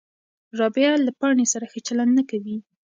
رابعه له پاڼې سره ښه چلند نه کوي.